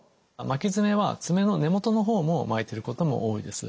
巻き爪は爪の根元の方も巻いてることも多いです。